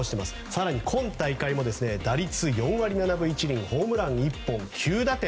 更に今大会も打率４割７分１厘ホームラン１本９打点。